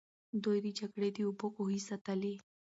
دوی د جګړې د اوبو کوهي ساتلې.